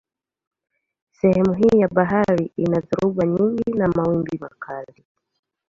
Sehemu hii ya bahari ina dhoruba nyingi na mawimbi makali.